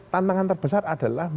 tantangan terbesar adalah